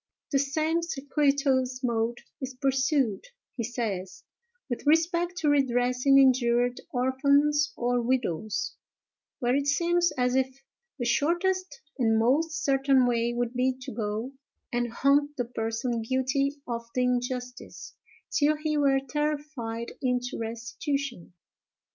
"The same circuitous mode is pursued," he says, "with respect to redressing injured orphans or widows; where it seems as if the shortest and most certain way would be to go and haunt the person guilty of the injustice, till he were terrified into restitution."